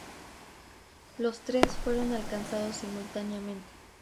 Los tres fueron alcanzados simultáneamente.